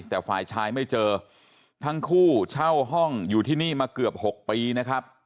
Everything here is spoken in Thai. แต่ฝ่ายชายไม่เจอทั้งคู่เช่าห้องอยู่ที่นี่มาเกือบ๖ปีนะครับ